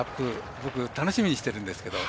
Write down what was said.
僕、楽しみにしてるんですけど。